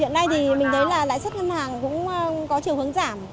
hiện nay thì mình thấy là lãi suất ngân hàng cũng có chiều hướng giảm